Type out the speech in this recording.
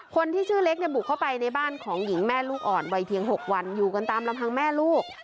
คนที่ชื่อเล็กเนี่ยบุกเข้าไปในบ้านของหญิงแม่ลูกอ่อนวัยเพียง๖วันอยู่กันตามลำพังแม่ลูก